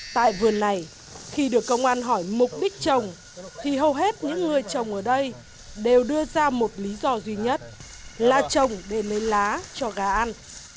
tại vườn này khi được công an hỏi mục đích trồng thì hầu hết những người trồng ở đây đều đưa ra một lý do duy nhất là trồng để lấy lá cho gà ăn